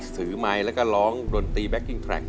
ซึ่งจะต้องบฟัง